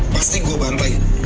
pasti gue bantai